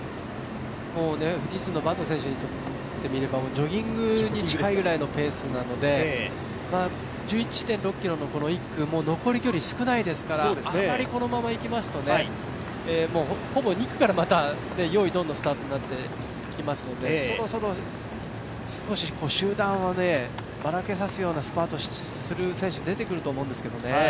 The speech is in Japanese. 富士通の坂東選手にとってみればジョギングに近いぐらいのペースなので１１．６ｋｍの１区も残り距離少ないですから、あまりこのままいきますとほぼ２区から用意ドンのスタートになってきますのでそろそろ少し集団をばらけさすようなスパートをする選手出てくると思うんですけどね。